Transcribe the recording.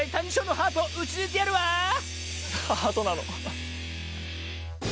ハートなの？